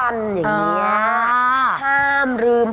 อย่างนี้ห้ามลืม